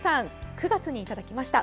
９月にいただきました。